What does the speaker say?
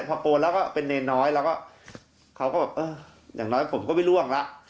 พอโอนแล้วก็เป็นเนรน้อยแล้วก็เขาก็แบบเอออย่างน้อยผมก็ไม่ร่วงแล้ว